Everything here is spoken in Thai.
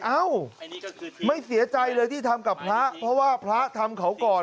เอ้าไม่เสียใจเลยที่ทำกับพระเพราะว่าพระทำเขาก่อน